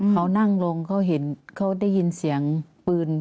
เขานั่งลงเขาได้ยินเสียงปืน